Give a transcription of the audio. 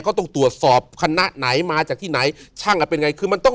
เขาต้องตรวจสอบคณะไหนมาจากที่ไหนช่างอ่ะเป็นไงคือมันต้อง